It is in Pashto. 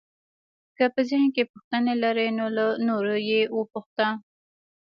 که په ذهن کې پوښتنې لرئ نو له نورو یې وپوښته.